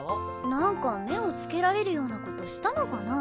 なんか目を付けられるようなことしたのかな？